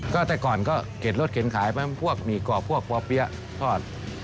ก็แต่ก่อนก็เข็ดรถเข็นขายไปพวกหมี่กรอบพวกป่อเปี๊ยะทอด